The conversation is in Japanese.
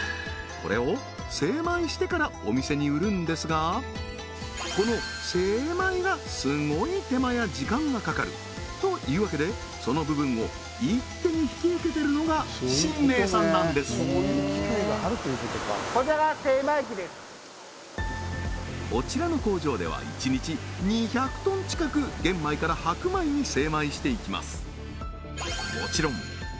これを精米してからお店に売るんですがこの精米がすごい手間や時間がかかるというわけでその部分を一手に引き受けてるのが神明さんなんですこちらの工場では一日２００ｔ近く玄米から白米に精米していきます